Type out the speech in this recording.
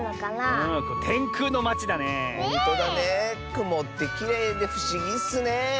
くもってきれいでふしぎッスね！